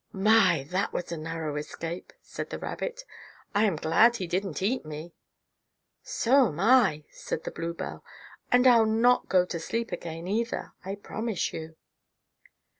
"My, that was a narrow escape!" said the rabbit. "I am glad he didn't eat me." "So am I," said the bluebell, "and I'll not go to sleep again, either, I promise you."